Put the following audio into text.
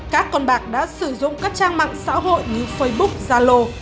các con bạc đã sử dụng các trang mạng xã hội như facebook zalo